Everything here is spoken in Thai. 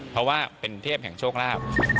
เพราะว่าเป็นเทพแห่งโชคลาภ